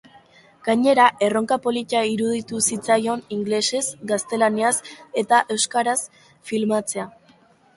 Gainera, erronka polita iruditu zitzaion ingelesez, gaztelaniaz eta euskaraz filmatzea.